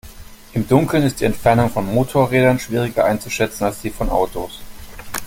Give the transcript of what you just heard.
Im Dunkeln ist die Entfernung von Motorrädern schwieriger einzuschätzen, als die von Autos.